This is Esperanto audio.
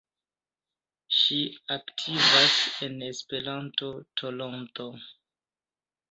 Ŝi aktivas en Esperanto-Toronto.